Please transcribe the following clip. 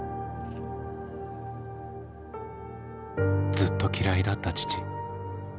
ずっと嫌いだった父。